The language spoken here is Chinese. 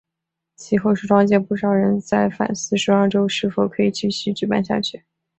及后时装界不少人在反思时装周是否可以继续举办下去。